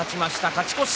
勝ち越し。